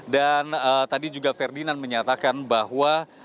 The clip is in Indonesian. dan tadi juga ferdinand menyatakan bahwa